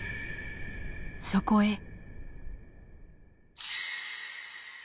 そこへ。